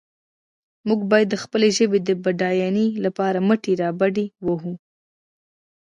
موږ باید د خپلې ژبې د بډاینې لپاره مټې رابډ وهو.